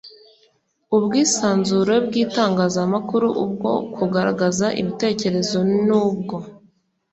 Ubwisanzure bw itangazamakuru ubwo kugaragaza ibitekerezo n ubwo